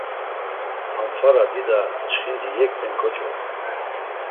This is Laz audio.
Ham fara dida, çxindi yekte kocobu.